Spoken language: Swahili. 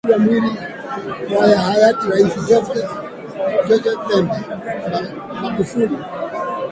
Hata kabla mwili wa hayati Rais John Joseph Pombe Magufuli